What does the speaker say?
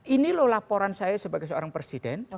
ini loh laporan saya sebagai seorang presiden